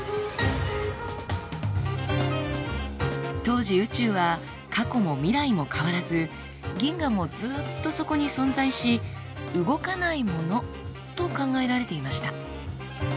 当時宇宙は過去も未来も変わらず銀河もずっとそこに存在し動かないものと考えられていました。